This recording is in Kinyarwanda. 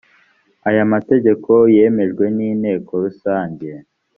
aya mategeko yemejwe n’inteko rusange